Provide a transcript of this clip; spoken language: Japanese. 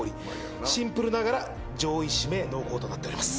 シンプルながら上位指名濃厚となっております。